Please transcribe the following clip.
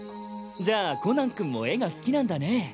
じゃあコナン君も絵が好きなんだねぇ。